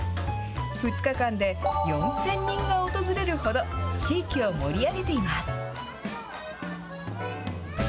２日間で４０００人が訪れるほど、地域を盛り上げています。